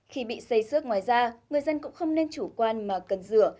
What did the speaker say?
khi bị xây xước ngoài ra người dân cũng không nên chủ quan mà cần rửa